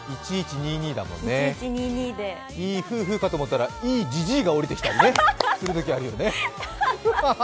１１２２で、いい夫婦かと思ったら、いいじじいが降りてきたりね、そういうときあるよね。